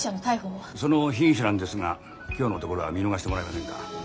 その被疑者なんですが今日のところは見逃してもらえませんか。